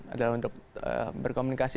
adalah untuk berkomunikasi